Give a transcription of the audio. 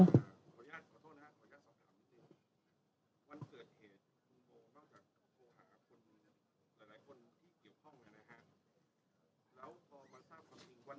โอเคยันโทษละครับ